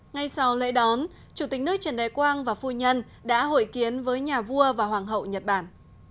ngay sau lễ đón chủ tịch nước trần đại quang và phu nhân đã hội kiến với nhà vua và hoàng hậu nhật bản